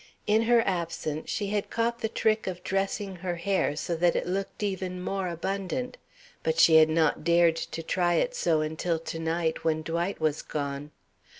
In her absence she had caught the trick of dressing her hair so that it looked even more abundant but she had not dared to try it so until to night, when Dwight was gone.